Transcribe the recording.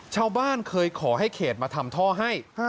ชาวบ้านเคยขอให้เขตมาทำท่อให้